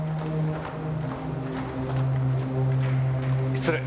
失礼。